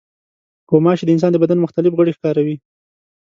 غوماشې د انسان د بدن مختلف غړي ښکاروي.